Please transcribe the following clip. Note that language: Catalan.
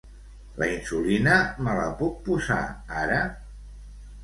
La insulina me la puc posar ara?